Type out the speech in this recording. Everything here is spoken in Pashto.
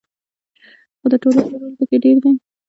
خو د ټولنې رول پکې ډیر دی.